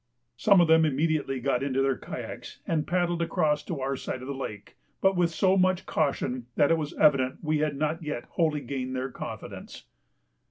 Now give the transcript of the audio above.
Some of them immediately got into their kayaks and paddled across to our side of the lake, but with so much caution that it was evident we had not yet wholly gained their confidence.